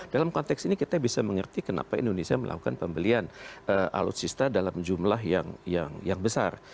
dalam konteks ini kita bisa mengerti kenapa indonesia melakukan pembelian alutsista dalam jumlah yang besar